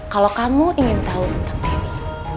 kalau kamu ingin tahu tentang tni